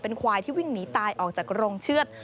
ควายที่วิ่งหนีตายออกจากโรงเชือด